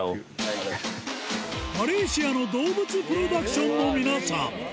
マレーシアの動物プロダクションの皆さん。